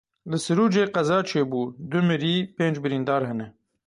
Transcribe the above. Li Sirûcê qeza çê bû du mirî, pênc birîndar hene.